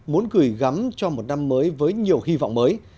muốn gửi gắm cho một năm mới với nhiều hy vọng mới